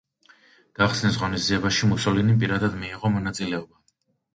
გახსნის ღონისძიებაში მუსოლინიმ პირადად მიიღო მონაწილეობა.